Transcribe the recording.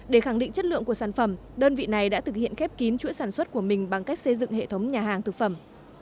để khẳng định chất lượng của sản phẩm đơn vị này đã thực hiện khép kín chuỗi sản xuất của mình bằng cách xây dựng hệ thống nhà hàng thực phẩm